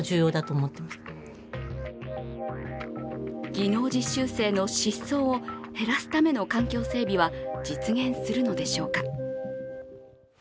技能実習生の失踪を減らすための環境整備は実現するのでしょうか。